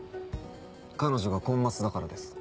彼女がコンマスだからです。